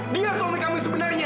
dia suami kamu yang sebenarnya